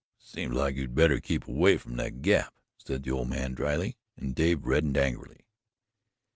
"Seems like you'd better keep away from that Gap," said the old man dryly, and Dave reddened angrily.